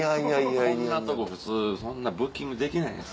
こんなとこ普通そんなブッキングできないです。